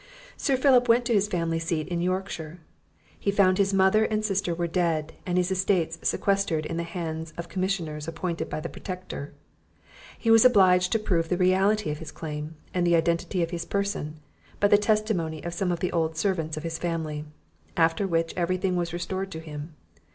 Sir Philip went to his family seat in Yorkshire. He found his mother and sister were dead, and his estates sequestered in the hands of commissioners appointed by the Protector. He was obliged to prove the reality of his claim, and the identity of his person (by the testimony of some of the old servants of his family), after which every thing was restored to him.